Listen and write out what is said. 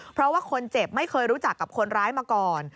เพราะว่าคนเจ็บไม่เคยรู้จักกับคนร้ายมาก่อน